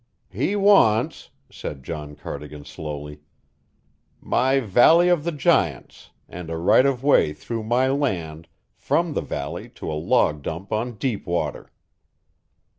"He wants," said John Cardigan slowly, "my Valley of the Giants and a right of way through my land from the valley to a log dump on deep water."